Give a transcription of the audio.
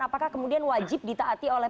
apakah kemudian wajib ditaati oleh